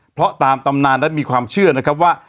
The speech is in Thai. เพราะตามตำนานนั้นมีความเชื่อนะครับว่า